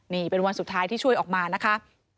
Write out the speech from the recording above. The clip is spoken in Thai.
นี่เป็นวันสุดท้ายที่ช่วยออกมานะคะ